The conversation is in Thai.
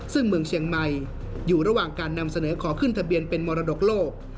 ซึ่งเมืองเชียงใหม่อยู่ระหว่างการนำเสนอขอขึ้นทะเบียนเป็นมรดกโลก